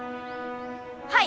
はい！